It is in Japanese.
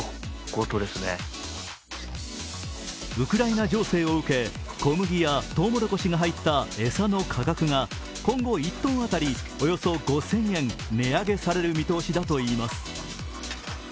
ウクライナ情勢を受け、小麦やとうもろこしが入った餌の価格が今後１ｔ当たり、およそ５０００円値上げされる見通しだといいます。